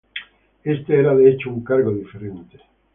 Este era, de hecho, un cargo diferente.